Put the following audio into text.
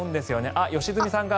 あっ、良純さんだ。